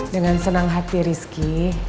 dengan senang hati rizky